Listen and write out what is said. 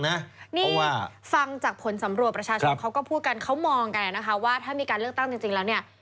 นี่ฟังจากผลสำรวจประชาชนเขาก็พูดกันเขามองกันนะคะว่าถ้ามีการเลือกตั้งจริงแล้วเนี่ย